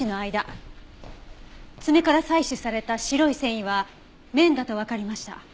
爪から採取された白い繊維は綿だとわかりました。